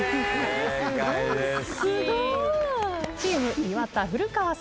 すごい！チーム岩田古川さん。